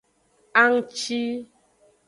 Anngci.